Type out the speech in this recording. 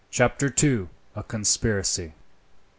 Chapter 2: A Conspiracy.